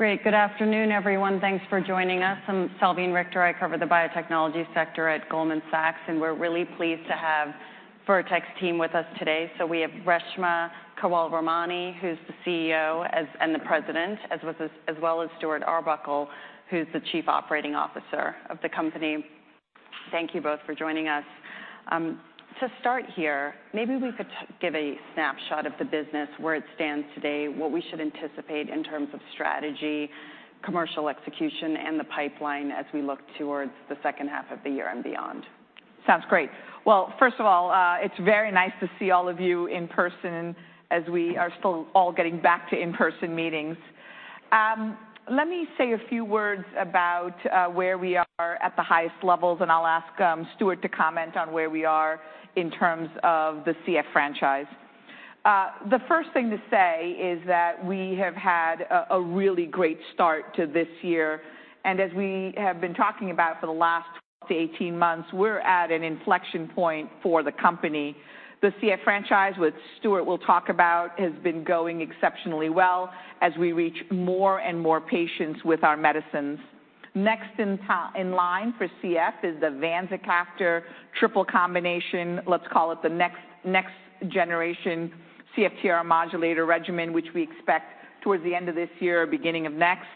Great. Good afternoon, everyone. Thanks for joining us. I'm Salveen Richter. I cover the biotechnology sector at Goldman Sachs. We're really pleased to have Vertex team with us today. We have Reshma Kewalramani, who's the CEO and President, as well as Stuart Arbuckle, who's the Chief Operating Officer of the company. Thank you both for joining us. To start here, maybe we could give a snapshot of the business, where it stands today, what we should anticipate in terms of strategy, commercial execution, and the pipeline as we look towards the H2 of the year and beyond. Sounds great. Well, first of all, it's very nice to see all of you in person as we are still all getting back to in-person meetings. Let me say a few words about where we are at the highest levels. I'll ask Stuart to comment on where we are in terms of the CF franchise. The first thing to say is that we have had a really great start to this year. As we have been talking about for the last 18 months, we're at an inflection point for the company. The CF franchise, which Stuart will talk about, has been going exceptionally well as we reach more and more patients with our medicines. Next in line for CF is the vanzacaftor triple combination, let's call it the next generation CFTR modulator regimen, which we expect towards the end of this year or beginning of next.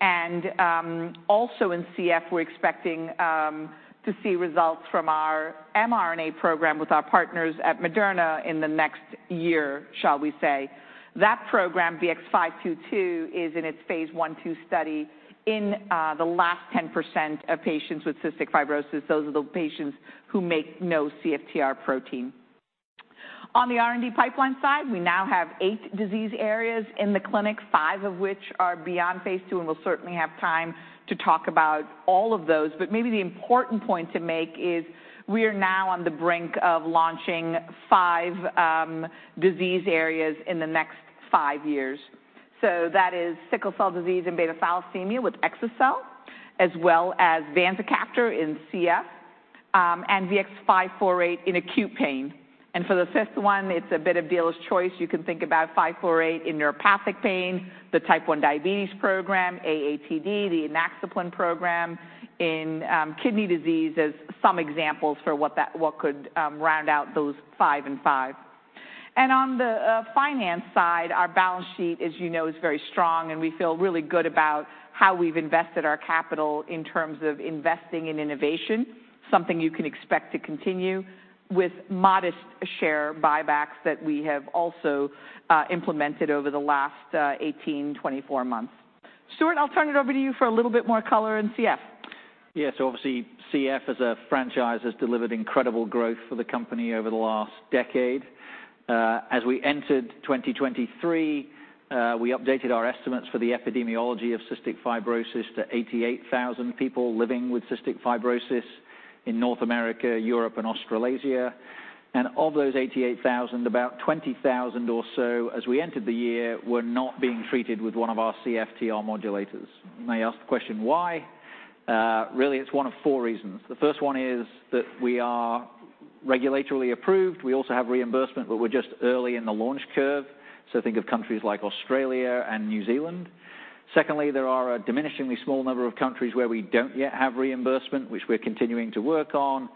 Also in CF, we're expecting to see results from our mRNA program with our partners at Moderna in the next year, shall we say. That program, VX-522, is in its phase I/II study in the last 10% of patients with cystic fibrosis. Those are the patients who make no CFTR protein. On the R&D pipeline side, we now have eight disease areas in the clinic, five of which are beyond phase II, and we'll certainly have time to talk about all of those. Maybe the important point to make is we are now on the brink of launching five disease areas in the next five years. That is sickle cell disease and beta thalassemia with exa-cel, as well as vanzacaftor in CF, and VX-548 in acute pain. For the fifth one, it's a bit of dealer's choice. You can think about 548 in neuropathic pain, the Type 1 diabetes program, AATD, the inaxaplin program in kidney disease as some examples for what could round out those five and five. On the finance side, our balance sheet, as you know, is very strong, and we feel really good about how we've invested our capital in terms of investing in innovation, something you can expect to continue, with modest share buybacks that we have also implemented over the last 18, 24 months. Stuart, I'll turn it over to you for a little bit more color in CF. Yes, obviously, CF as a franchise, has delivered incredible growth for the company over the last decade. As we entered 2023, we updated our estimates for the epidemiology of cystic fibrosis to 88,000 people living with cystic fibrosis in North America, Europe, and Australasia. Of those 88,000, about 20,000 or so, as we entered the year, were not being treated with one of our CFTR modulators. I ask the question, why? Really, it's one of four reasons. The first one is that we are regulatorily approved. We also have reimbursement, but we're just early in the launch curve, so think of countries like Australia and New Zealand. Secondly, there are a diminishingly small number of countries where we don't yet have reimbursement, which we're continuing to work on.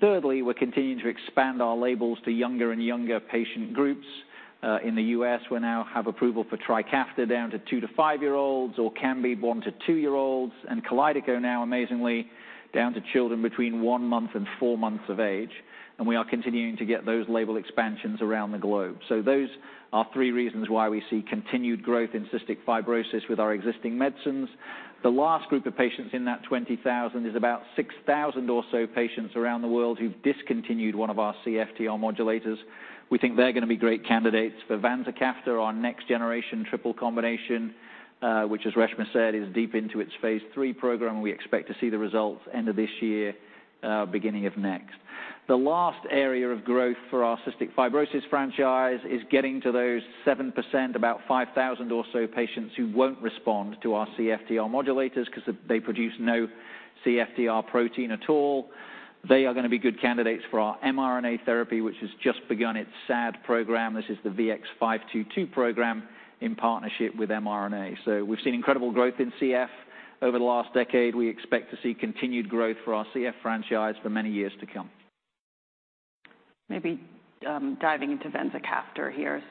Thirdly, we're continuing to expand our labels to younger and younger patient groups. In the US, we now have approval for TRIKAFTA down to two to five-year-olds, or ORKAMBI, one to two-year-olds, and KALYDECO now amazingly down to children between one month and four months of age, and we are continuing to get those label expansions around the globe. Those are three reasons why we see continued growth in cystic fibrosis with our existing medicines. The last group of patients in that 20,000 is about 6,000 or so patients around the world who've discontinued one of our CFTR modulators. We think they're gonna be great candidates for vanzacaftor, our next generation triple combination, which as Reshma said, is deep into its phase III program, and we expect to see the results end of this year, beginning of next. The last area of growth for our cystic fibrosis franchise is getting to those 7%, about 5,000 or so patients who won't respond to our CFTR modulators because they produce no CFTR protein at all. They are gonna be good candidates for our mRNA therapy, which has just begun its SAD program. This is the VX-522 program in partnership with Moderna. We've seen incredible growth in CF over the last decade. We expect to see continued growth for our CF franchise for many years to come. Maybe, diving into vanzacaftor here.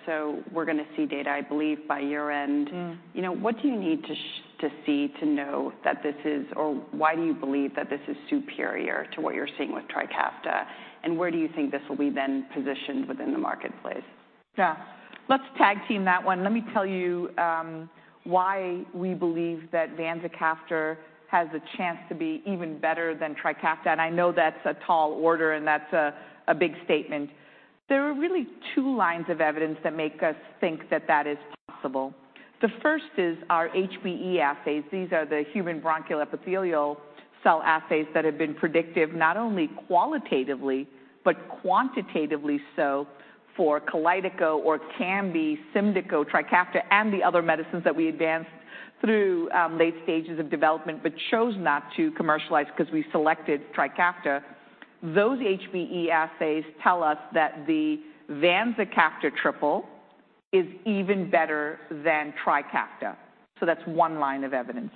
We're gonna see data, I believe, by year-end. Mm. You know, what do you need to see, to know that this is... or why do you believe that this is superior to what you're seeing with TRIKAFTA, and where do you think this will be then positioned within the marketplace? Let's tag-team that one. Let me tell you why we believe that vanzacaftor has a chance to be even better than TRIKAFTA, and I know that's a tall order, and that's a big statement. There are really two lines of evidence that make us think that that is possible. The first is our HBE assays. These are the human bronchoepithelial cell assays that have been predictive, not only qualitatively, but quantitatively so for KALYDECO or ORKAMBI, SYMDEKO, TRIKAFTA, and the other medicines that we through late stages of development, but chose not to commercialize because we selected TRIKAFTA, those HBE assays tell us that the vanzacaftor triple is even better than TRIKAFTA. That's one line of evidence.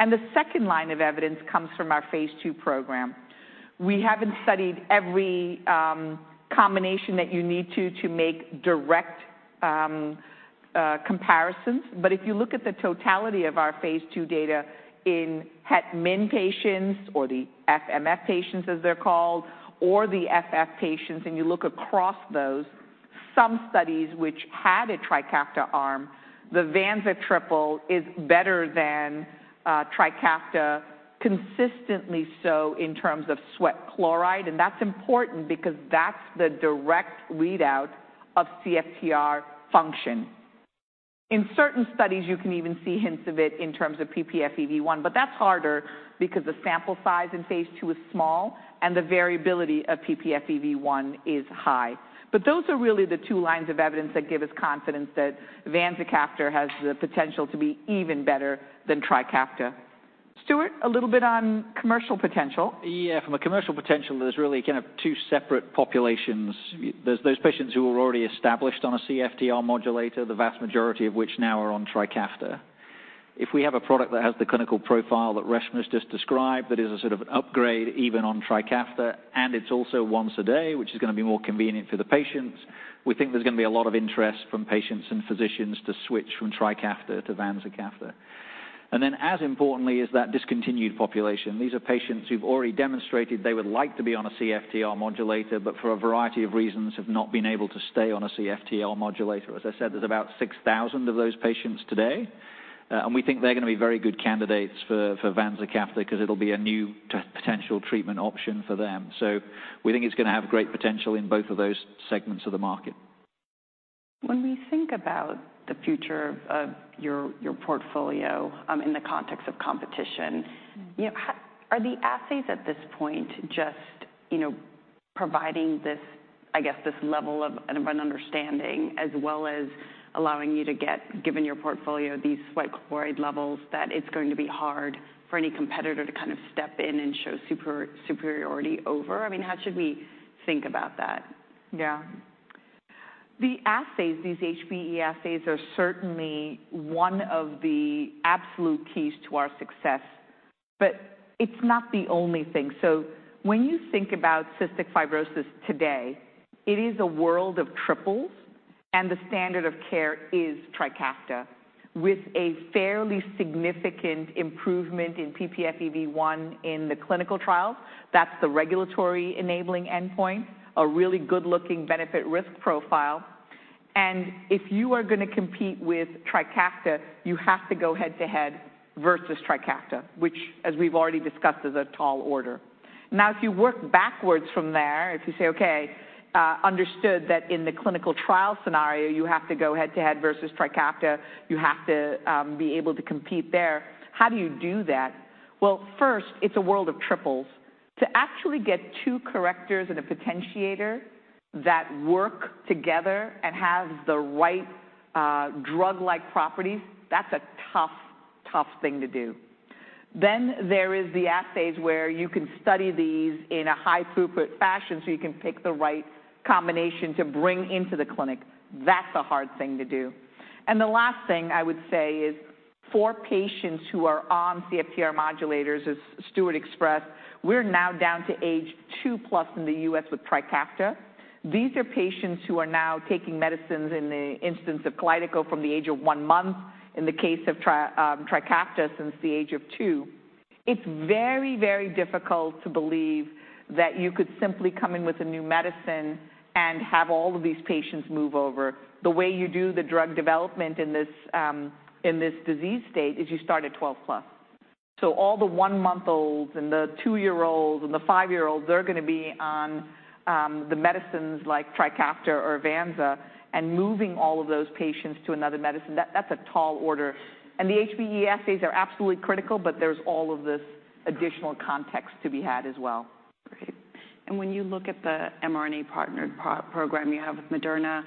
The second line of evidence comes from our phase II program. We haven't studied every combination that you need to make direct comparisons. If you look at the totality of our phase II data in het/min patients, or the FMF patients, as they're called, or the F/F patients, and you look across those, some studies which had a TRIKAFTA arm, the vanza triple is better than TRIKAFTA, consistently so in terms of sweat chloride. That's important because that's the direct readout of CFTR function. In certain studies, you can even see hints of it in terms of ppFEV1, but that's harder because the sample size in phase II is small and the variability of ppFEV1 is high. Those are really the two lines of evidence that give us confidence that vanzacaftor has the potential to be even better than TRIKAFTA. Stuart, a little bit on commercial potential. Yeah, from a commercial potential, there's really kind of two separate populations. There's those patients who are already established on a CFTR modulator, the vast majority of which now are on TRIKAFTA. If we have a product that has the clinical profile that Reshmi has just described, that is a sort of upgrade even on TRIKAFTA, and it's also once a day, which is going to be more convenient for the patients, we think there's going to be a lot of interest from patients and physicians to switch from TRIKAFTA to vanzacaftor. As importantly, is that discontinued population. These are patients who've already demonstrated they would like to be on a CFTR modulator, but for a variety of reasons, have not been able to stay on a CFTR modulator. As I said, there's about 6,000 of those patients today. We think they're going to be very good candidates for vanzacaftor because it'll be a new potential treatment option for them. We think it's going to have great potential in both of those segments of the market. When we think about the future of your portfolio, in the context of competition, you know, are the assays at this point, just, you know, providing this, I guess, this level of an understanding as well as allowing you to get, given your portfolio, these sweat chloride levels, that it's going to be hard for any competitor to kind of step in and show super-superiority over? I mean, how should we think about that? The assays, these HBE assays, are certainly one of the absolute keys to our success, but it's not the only thing. When you think about cystic fibrosis today, it is a world of triples, and the standard of care is TRIKAFTA, with a fairly significant improvement in ppFEV1 in the clinical trials. That's the regulatory-enabling endpoint, a really good-looking benefit-risk profile. If you are going to compete with TRIKAFTA, you have to go head-to-head versus TRIKAFTA, which, as we've already discussed, is a tall order. If you work backwards from there, if you say, "Okay, understood that in the clinical trial scenario, you have to go head-to-head versus TRIKAFTA, you have to be able to compete there," how do you do that? First, it's a world of triples. To actually get two correctors and a potentiator that work together and have the right, drug-like properties, that's a tough thing to do. There is the assays where you can study these in a high-throughput fashion, so you can pick the right combination to bring into the clinic. That's a hard thing to do. The last thing I would say is, for patients who are on CFTR modulators, as Stuart expressed, we're now down to age 2+ in the US with TRIKAFTA. These are patients who are now taking medicines in the instance of KALYDECO from the age of one month, in the case of TRIKAFTA, since the age of two. It's very difficult to believe that you could simply come in with a new medicine and have all of these patients move over. The way you do the drug development in this in this disease state is you start at 12+. All the one-month-olds and the two-year-olds and the five-year-olds, they're going to be on the medicines like TRIKAFTA or vanza, and moving all of those patients to another medicine, that's a tall order. The HBE assays are absolutely critical, but there's all of this additional context to be had as well. Great. When you look at the mRNA partnered program you have with Moderna,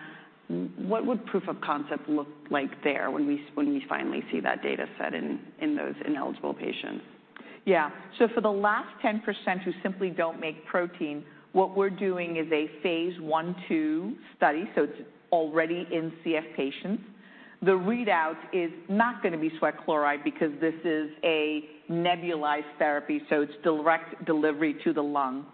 what would proof of concept look like there when we finally see that data set in those ineligible patients? For the last 10% who simply don't make protein, what we're doing is a phase I/II study, so it's already in CF patients. The readout is not going to be sweat chloride because this is a nebulized therapy, so it's direct delivery to the lung.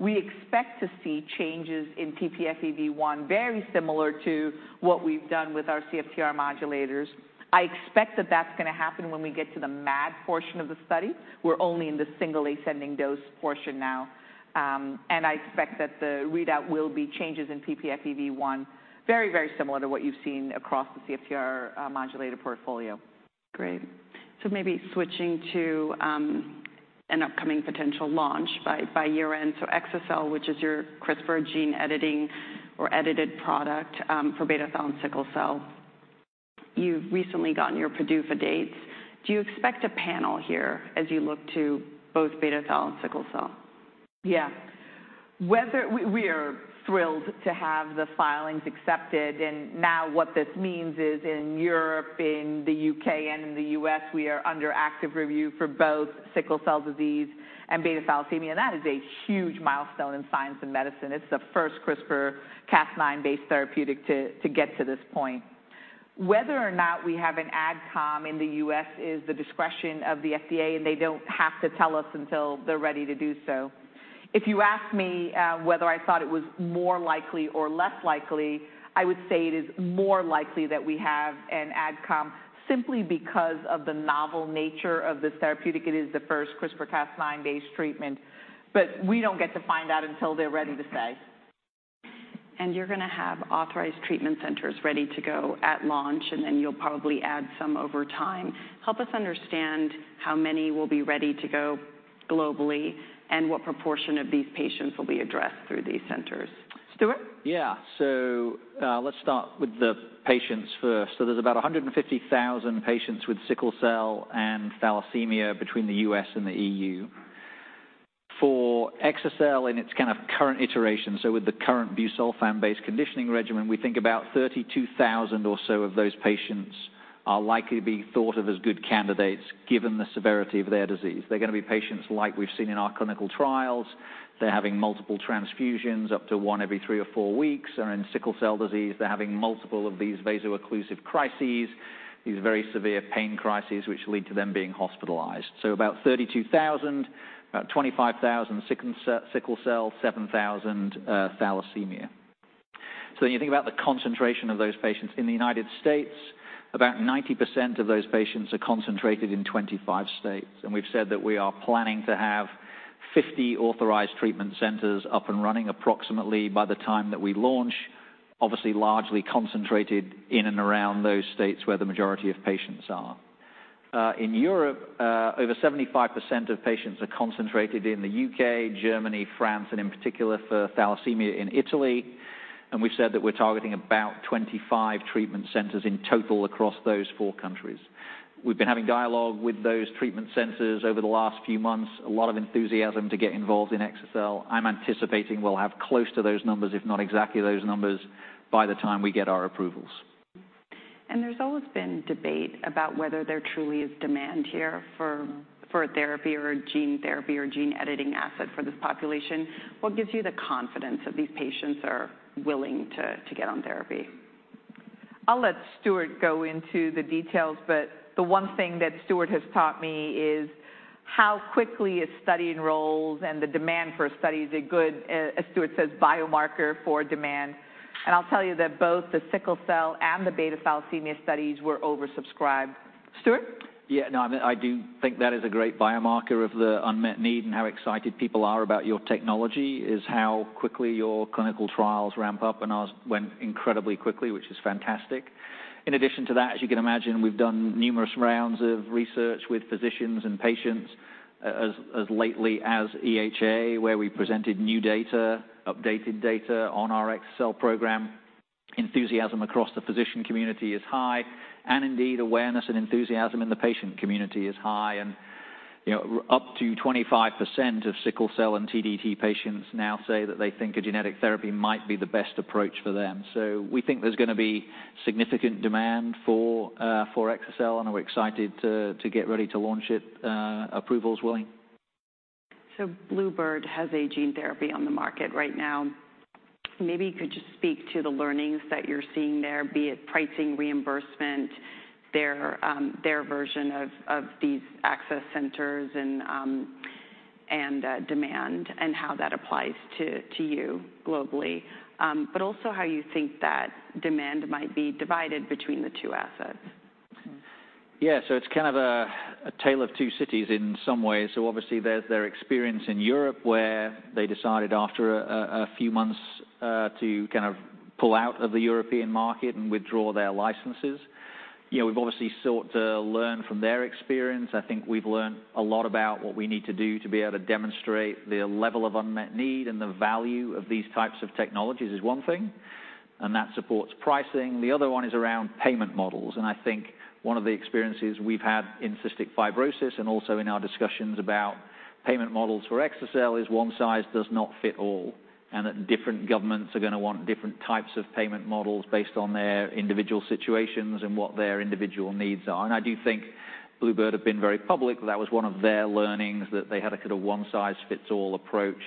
We expect to see changes in ppFEV1, very similar to what we've done with our CFTR modulators. I expect that that's going to happen when we get to the MAD portion of the study. We're only in the singly ascending dose portion now, and I expect that the readout will be changes in ppFEV1, very, very similar to what you've seen across the CFTR modulator portfolio. Great. Maybe switching to an upcoming potential launch by year-end. Exa-cel, which is your CRISPR gene editing or edited product, for beta thal and sickle cell. You've recently gotten your PDUFA dates. Do you expect a panel here as you look to both beta thal and sickle cell? Yeah.... Whether we are thrilled to have the filings accepted. Now what this means is in Europe, in the UK, and in the US, we are under active review for both sickle cell disease and beta thalassemia. That is a huge milestone in science and medicine. It's the first CRISPR-Cas9-based therapeutic to get to this point. Whether or not we have an AdCom in the US is the discretion of the FDA, and they don't have to tell us until they're ready to do so. If you ask me whether I thought it was more likely or less likely, I would say it is more likely that we have an AdCom, simply because of the novel nature of this therapeutic. It is the first CRISPR-Cas9-based treatment. We don't get to find out until they're ready to say. You're going to have authorized treatment centers ready to go at launch, and then you'll probably add some over time. Help us understand how many will be ready to go globally, and what proportion of these patients will be addressed through these centers? Stuart? Let's start with the patients first. There's about 150,000 patients with sickle cell and thalassemia between the US and the EU. For exa-cel, in its kind of current iteration, with the current busulfan-based conditioning regimen, we think about 32,000 or so of those patients are likely to be thought of as good candidates, given the severity of their disease. They're going to be patients like we've seen in our clinical trials. They're having multiple transfusions, up to one every three or four weeks, and in sickle cell disease, they're having multiple of these vaso-occlusive crises, these very severe pain crises, which lead to them being hospitalized. About 32,000, about 25,000 sickle cell, 7,000 thalassemia. When you think about the concentration of those patients in the United States, about 90% of those patients are concentrated in 25 states. We've said that we are planning to have 50 authorized treatment centers up and running approximately by the time that we launch, obviously largely concentrated in and around those states where the majority of patients are. In Europe, over 75% of patients are concentrated in the UK, Germany, France, and in particular for thalassemia, in Italy. We've said that we're targeting about 25 treatment centers in total across those four countries. We've been having dialogue with those treatment centers over the last few months. A lot of enthusiasm to get involved in exa-cel. I'm anticipating we'll have close to those numbers, if not exactly those numbers, by the time we get our approvals. There's always been debate about whether there truly is demand here for a therapy, or a gene therapy, or gene editing asset for this population. What gives you the confidence that these patients are willing to get on therapy? I'll let Stuart go into the details, but the one thing that Stuart has taught me is how quickly a study enrolls and the demand for a study is a good, as Stuart says, biomarker for demand. I'll tell you that both the sickle cell and the beta thalassemia studies were oversubscribed. Stuart? Yeah. No, I mean, I do think that is a great biomarker of the unmet need and how excited people are about your technology is how quickly your clinical trials ramp up, and ours went incredibly quickly, which is fantastic. In addition to that, as you can imagine, we've done numerous rounds of research with physicians and patients, as lately as EHA, where we presented new data, updated data on our exa-cel program. Enthusiasm across the physician community is high, and indeed, awareness and enthusiasm in the patient community is high. You know, up to 25% of sickle cell and TDT patients now say that they think a genetic therapy might be the best approach for them. We think there's going to be significant demand for exa-cel, and we're excited to get ready to launch it, approvals willing. Bluebird has a gene therapy on the market right now. Maybe you could just speak to the learnings that you're seeing there, be it pricing, reimbursement, their version of these access centers, and demand, and how that applies to you globally, but also how you think that demand might be divided between the two assets. Yeah. It's kind of a tale of two cities in some ways. Obviously there's their experience in Europe, where they decided after a few months to kind of pull out of the European market and withdraw their licenses. You know, we've obviously sought to learn from their experience. I think we've learned a lot about what we need to do to be able to demonstrate the level of unmet need and the value of these types of technologies is one thing, and that supports pricing. The other one is around payment models, and I think one of the experiences we've had in cystic fibrosis and also in our discussions about payment models for exa-cel, is one size does not fit all, and that different governments are going to want different types of payment models based on their individual situations and what their individual needs are. I do think bluebird have been very public. That was one of their learnings, that they had a kind of one-size-fits-all approach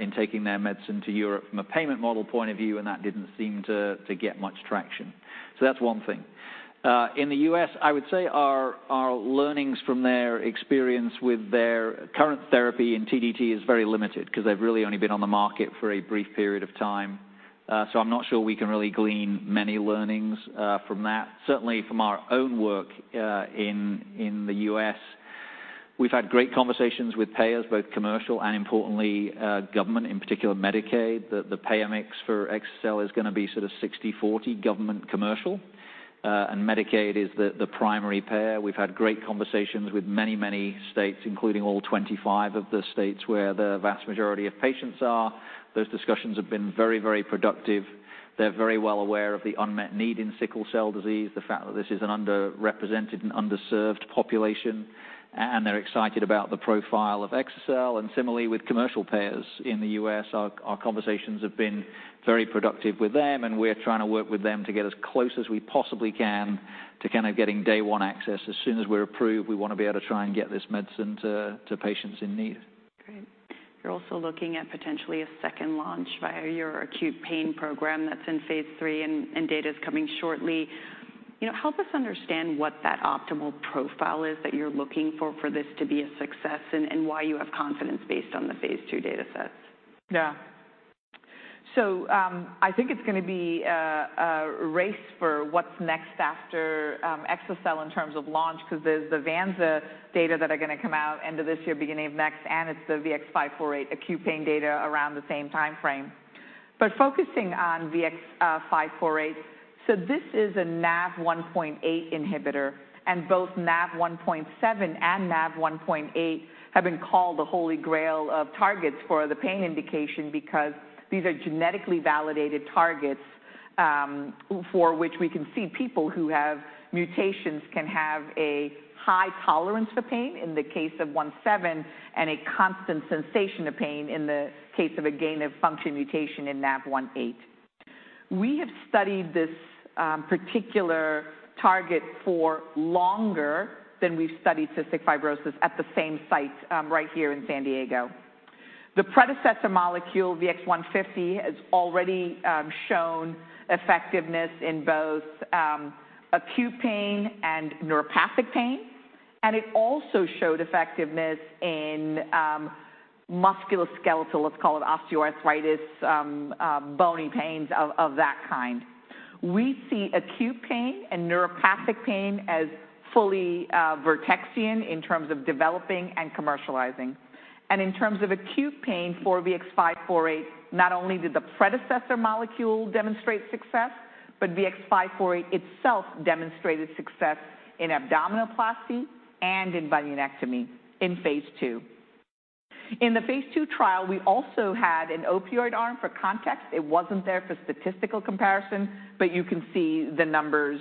in taking their medicine to Europe from a payment model point of view, and that didn't seem to get much traction. That's one thing. In the US, I would say our learnings from their experience with their current therapy in TDT is very limited because they've really only been on the market for a brief period of time. I'm not sure we can really glean many learnings from that. Certainly, from our own work in the US, we've had great conversations with payers, both commercial and importantly, government, in particular, Medicaid. The payer mix for exa-cel is going to be sort of 60/40, government/commercial, and Medicaid is the primary payer. We've had great conversations with many, many states, including all 25 of the states, where the vast majority of patients are. Those discussions have been very, very productive. They're very well aware of the unmet need in sickle cell disease, the fact that this is an underrepresented and underserved population, and they're excited about the profile of exa-cel. Similarly, with commercial payers in the US, our conversations have been very productive with them, and we're trying to work with them to get as close as we possibly can to kind of getting day one access. As soon as we're approved, we want to be able to try and get this medicine to patients in need. Great. You're also looking at potentially a second launch via your acute pain program that's in phase III, and data's coming shortly. You know, help us understand what that optimal profile is that you're looking for this to be a success, and why you have confidence based on the phase II data sets. Yeah. I think it's gonna be a race for what's next after exa-cel in terms of launch, 'cause there's the vanza data that are gonna come out end of this year, beginning of next, and it's the VX-548, acute pain data around the same timeframe. Focusing on VX-548, this is a NaV1.8 inhibitor, and both NaV1.7 and NaV1.8 have been called the Holy Grail of targets for the pain indication because these are genetically validated targets, for which we can see people who have mutations can have a high tolerance for pain, in the case of 1.7, and a constant sensation of pain in the case of a gain-of-function mutation in NaV1.8. We have studied this particular target for longer than we've studied cystic fibrosis at the same site, right here in San Diego. The predecessor molecule, VX-150, has already shown effectiveness in both acute pain and neuropathic pain, and it also showed effectiveness in musculoskeletal, let's call it osteoarthritis, bony pains of that kind. We see acute pain and neuropathic pain as fully Vertexian in terms of developing and commercializing. In terms of acute pain for VX-548, not only did the predecessor molecule demonstrate success, but VX-548 itself demonstrated success in abdominoplasty and in bunionectomy in phase II. In the phase II trial, we also had an opioid arm for context. It wasn't there for statistical comparison, but you can see the numbers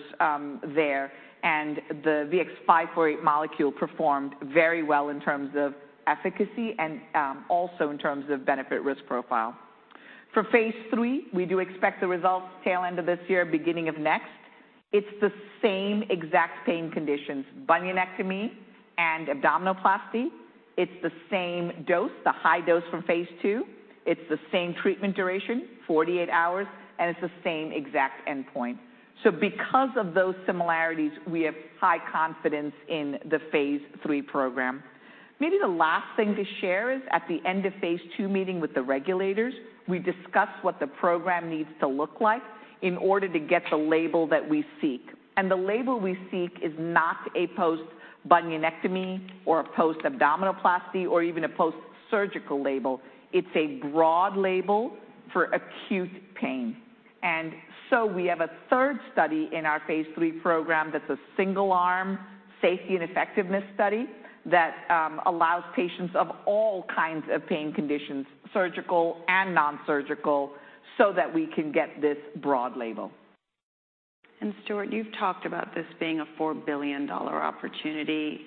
there, and the VX-548 molecule performed very well in terms of efficacy and also in terms of benefit-risk profile. For phase III, we do expect the results tail end of this year, beginning of next. It's the same exact pain conditions, bunionectomy and abdominoplasty. It's the same dose, the high dose from phase II. It's the same treatment duration, 48 hours. It's the same exact endpoint. Because of those similarities, we have high confidence in the phase III program. Maybe the last thing to share is, at the end of phase II meeting with the regulators, we discussed what the program needs to look like in order to get the label that we seek. The label we seek is not a post-bunionectomy, or a post-abdominoplasty, or even a post-surgical label. It's a broad label for acute pain. We have a third study in our phase III program that's a single-arm safety and effectiveness study that allows patients of all kinds of pain conditions, surgical and non-surgical, so that we can get this broad label. Stuart, you've talked about this being a $4 billion opportunity.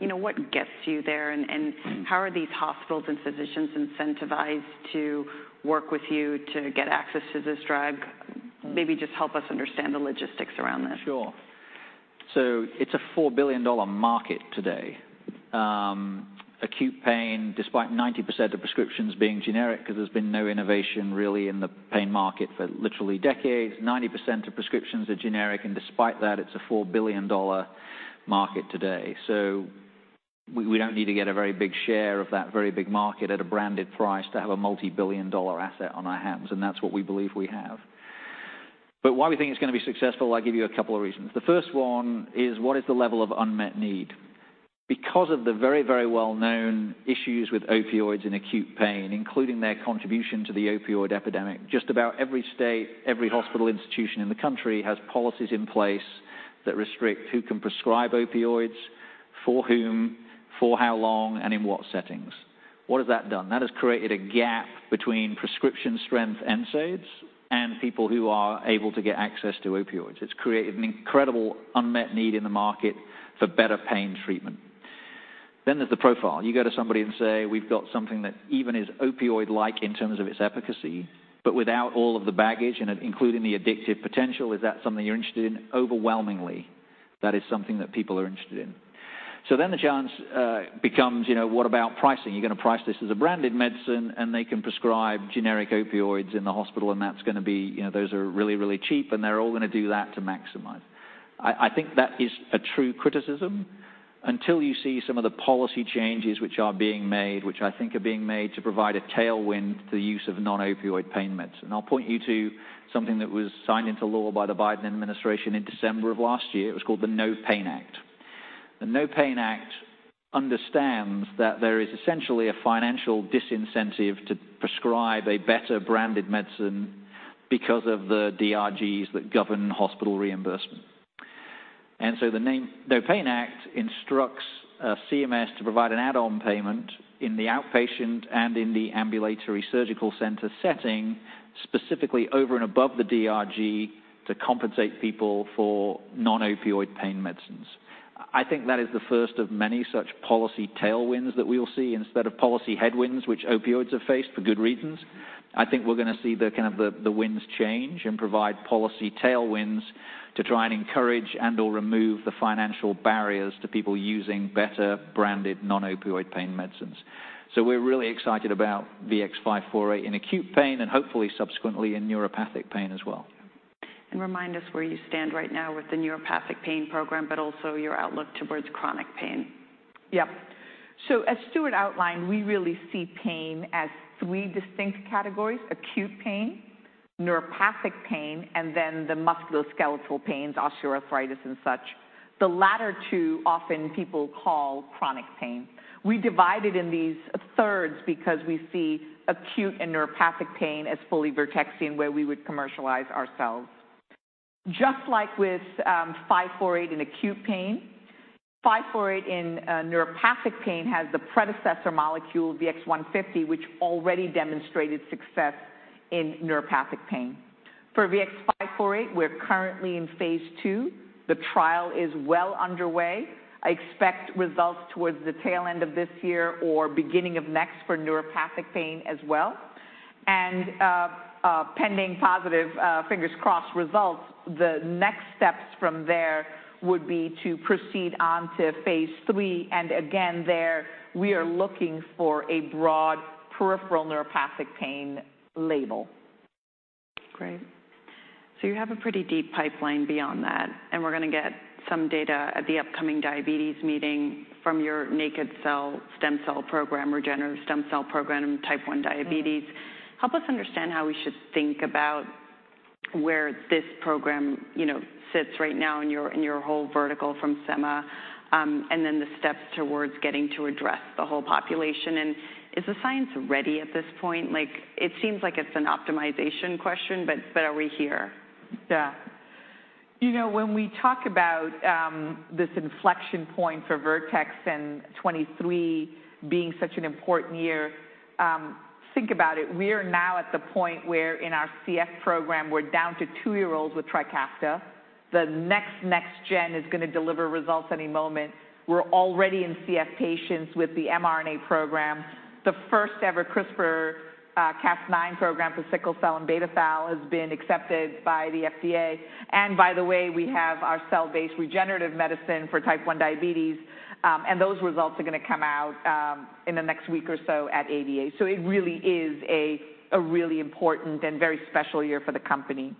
You know, what gets you there, and how are these hospitals and physicians incentivized to work with you to get access to this drug? Maybe just help us understand the logistics around this. Sure. It's a $4 billion market today. Acute pain, despite 90% of prescriptions being generic, 'cause there's been no innovation really in the pain market for literally decades, 90% of prescriptions are generic, and despite that, it's a $4 billion market today. We don't need to get a very big share of that very big market at a branded price to have a multibillion-dollar asset on our hands, and that's what we believe we have. Why we think it's gonna be successful, I'll give you a couple of reasons. The first one is, what is the level of unmet need? Because of the very, very well-known issues with opioids in acute pain, including their contribution to the opioid epidemic, just about every state, every hospital institution in the country, has policies in place that restrict who can prescribe opioids, for whom, for how long, and in what settings. What has that done? That has created a gap between prescription strength NSAIDs and people who are able to get access to opioids. It's created an incredible unmet need in the market for better pain treatment. There's the profile. You go to somebody and say: "We've got something that even is opioid-like in terms of its efficacy, but without all of the baggage and including the addictive potential. Is that something you're interested in?" Overwhelmingly, that is something that people are interested in. The challenge becomes, you know, what about pricing? You're gonna price this as a branded medicine. They can prescribe generic opioids in the hospital, and that's gonna be. You know, those are really, really cheap, and they're all gonna do that to maximize. I think that is a true criticism until you see some of the policy changes which are being made, which I think are being made to provide a tailwind to the use of non-opioid pain meds. I'll point you to something that was signed into law by the Biden administration in December of last year. It was called the NOPAIN Act. The NOPAIN Act understands that there is essentially a financial disincentive to prescribe a better branded medicine because of the DRGs that govern hospital reimbursement. The name, NOPAIN Act instructs CMS to provide an add-on payment in the outpatient and in the ambulatory surgical center setting, specifically over and above the DRG, to compensate people for non-opioid pain medicines. I think that is the first of many such policy tailwinds that we will see, instead of policy headwinds, which opioids have faced for good reasons. I think we're gonna see the winds change and provide policy tailwinds to try and encourage and/or remove the financial barriers to people using better-branded non-opioid pain medicines. We're really excited about VX-548 in acute pain and hopefully subsequently in neuropathic pain as well. Remind us where you stand right now with the neuropathic pain program, but also your outlook towards chronic pain. Yep. As Stuart outlined, we really see pain as three distinct categories: acute pain, neuropathic pain, and then the musculoskeletal pains, osteoarthritis and such. The latter two, often people call chronic pain. We divided in these thirds because we see acute and neuropathic pain as fully Vertexing, where we would commercialize ourselves. Just like with 548 in acute pain, 548 in neuropathic pain has the predecessor molecule, VX-150, which already demonstrated success in neuropathic pain. For VX-548, we're currently in phase II. The trial is well underway. I expect results towards the tail end of this year or beginning of next for neuropathic pain as well. pending positive, fingers crossed, results, the next steps from there would be to proceed on to phase III, and again, there, we are looking for a broad peripheral neuropathic pain label. Great. You have a pretty deep pipeline beyond that, and we're gonna get some data at the upcoming diabetes meeting from your naked cell, stem cell program, regenerative stem cell program in Type 1 diabetes. Help us understand how we should think about where this program, you know, sits right now in your whole vertical from Semma, and then the steps towards getting to address the whole population. Is the science ready at this point? Like, it seems like it's an optimization question, but are we here? Yeah. You know, when we talk about this inflection point for Vertex and 23 being such an important year, think about it, we are now at the point where in our CF program, we're down to two-year-olds with TRIKAFTA. The next gen is gonna deliver results any moment. We're already in CF patients with the mRNA program. The first ever CRISPR-Cas9 program for sickle cell and beta thal has been accepted by the FDA. By the way, we have our cell-based regenerative medicine for Type 1 diabetes, and those results are gonna come out in the next week or so at ADA. It really is a really important and very special year for the company.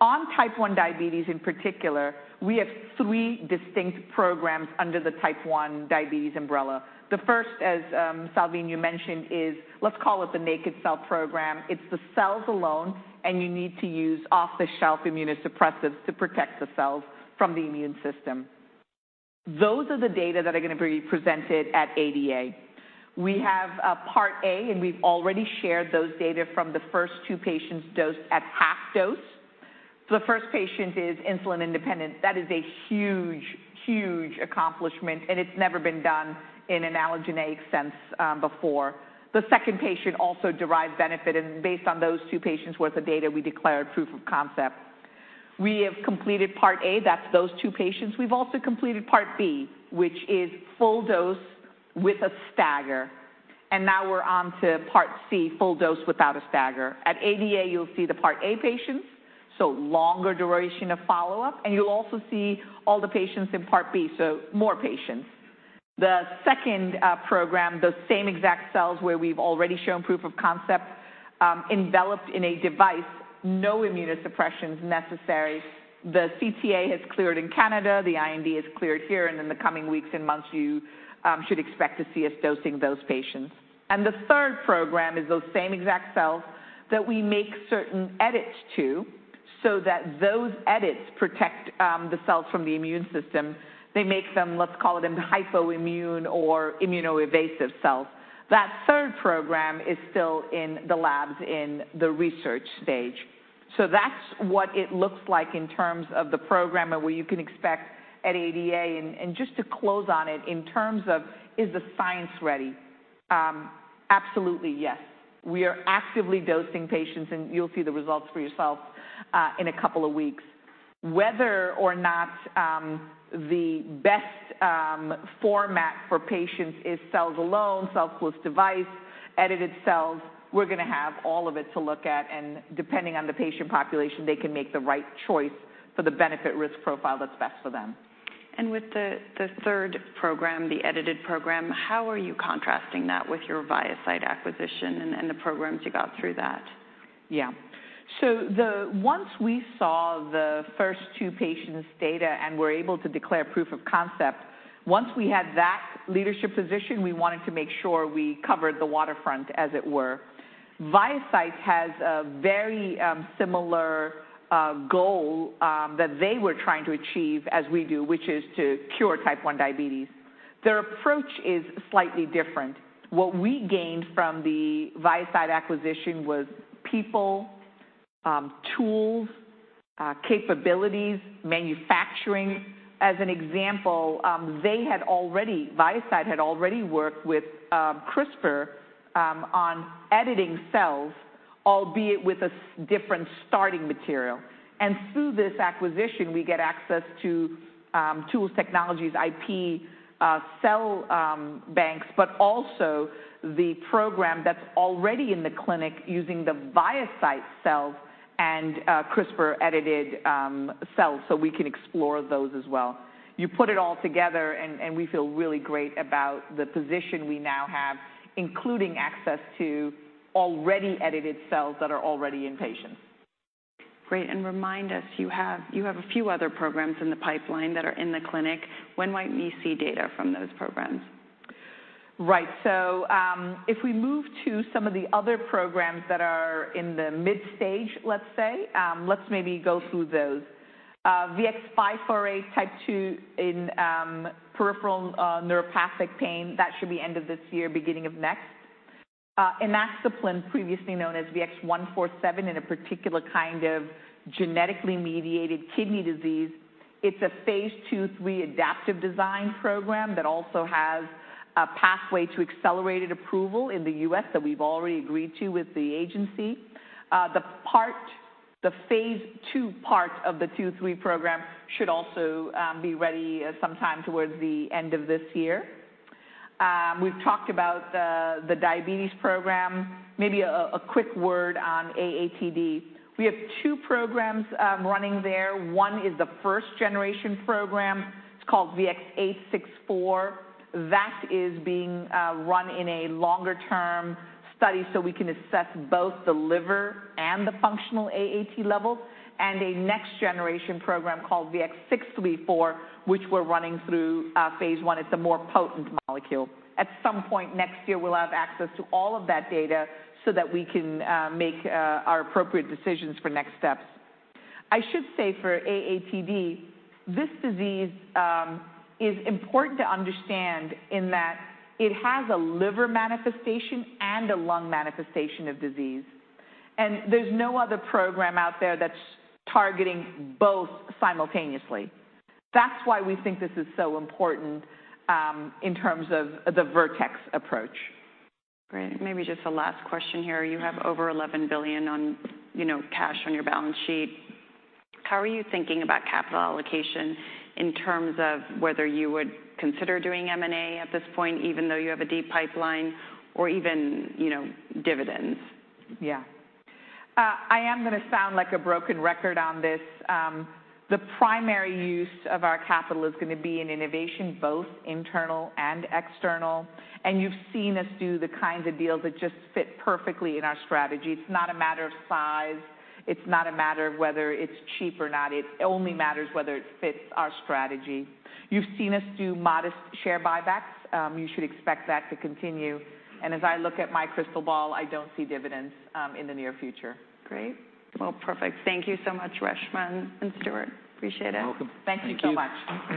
On Type 1 diabetes in particular, we have three distinct programs under the Type 1 diabetes umbrella. The first, as Salveen, you mentioned, is, let's call it the naked cell program. It's the cells alone, you need to use off-the-shelf immunosuppressants to protect the cells from the immune system. Those are the data that are gonna be presented at ADA. We have Part A, we've already shared those data from the first two patients dosed at half dose. The first patient is insulin independent. That is a huge accomplishment, it's never been done in an allogeneic sense before. The second patient also derived benefit, based on those two patients' worth of data, we declared proof of concept. We have completed Part A, that's those two patients. We've also completed Part B, which is full dose with a stagger, now we're on to Part C, full dose without a stagger. At ADA, you'll see the Part A patients, so longer duration of follow-up, and you'll also see all the patients in Part B, so more patients. The second program, those same exact cells where we've already shown proof of concept, enveloped in a device, no immunosuppression is necessary. The CTA has cleared in Canada, the IND is cleared here, and in the coming weeks and months, you should expect to see us dosing those patients. The third program is those same exact cells that we make certain edits to, so that those edits protect the cells from the immune system. They make them, let's call them, hypoimmune or immunoevasive cells. That third program is still in the labs in the research stage. That's what it looks like in terms of the program and what you can expect at ADA. Just to close on it, in terms of, is the science ready? Absolutely, yes. We are actively dosing patients, and you'll see the results for yourself, in a couple of weeks. Whether or not, the best, format for patients is cells alone, cell-plus device, edited cells, we're gonna have all of it to look at, and depending on the patient population, they can make the right choice for the benefit-risk profile that's best for them. With the third program, the edited program, how are you contrasting that with your ViaCyte acquisition and the programs you got through that? Once we saw the first two patients' data and were able to declare proof of concept, once we had that leadership position, we wanted to make sure we covered the waterfront, as it were. ViaCyte has a very similar goal that they were trying to achieve, as we do, which is to cure Type 1 diabetes. Their approach is slightly different. What we gained from the ViaCyte acquisition was tools, capabilities, manufacturing. As an example, ViaCyte had already worked with CRISPR on editing cells, albeit with a different starting material. Through this acquisition, we get access to tools, technologies, IP, cell banks, but also the program that's already in the clinic using the ViaCyte cells and CRISPR-edited cells, so we can explore those as well. You put it all together and we feel really great about the position we now have, including access to already edited cells that are already in patients. Great. Remind us, you have a few other programs in the pipeline that are in the clinic. When might we see data from those programs? If we move to some of the other programs that are in the mid stage, let's say, let's maybe go through those. VX-548, type 2 in peripheral neuropathic pain, that should be end of this year, beginning of next. Inaxaplin, previously known as VX-147, in a particular kind of genetically mediated kidney disease, it's a phase II/III adaptive design program that also has a pathway to accelerated approval in the US. that we've already agreed to with the agency. The phase II part of the II/III program should also be ready sometime towards the end of this year. We've talked about the diabetes program. Maybe a quick word on AATD. We have two programs running there. 1 is the first-generation program. It's called VX-864. That is being run in a longer-term study so we can assess both the liver and the functional AAT level, and a next-generation program called VX-634, which we're running through phase I. It's a more potent molecule. At some point next year, we'll have access to all of that data so that we can make our appropriate decisions for next steps. I should say, for AATD, this disease is important to understand in that it has a liver manifestation and a lung manifestation of disease, and there's no other program out there that's targeting both simultaneously. That's why we think this is so important in terms of the Vertex approach. Great. Maybe just a last question here. You have over $11 billion on, you know, cash on your balance sheet. How are you thinking about capital allocation in terms of whether you would consider doing M&A at this point, even though you have a deep pipeline, or even, you know, dividends? Yeah. I am going to sound like a broken record on this. The primary use of our capital is going to be in innovation, both internal and external, and you've seen us do the kinds of deals that just fit perfectly in our strategy. It's not a matter of size. It's not a matter of whether it's cheap or not. It only matters whether it fits our strategy. You've seen us do modest share buybacks. You should expect that to continue. As I look at my crystal ball, I don't see dividends in the near future. Great. Well, perfect. Thank you so much, Reshma and Stuart. Appreciate it. You're welcome. Thank you so much.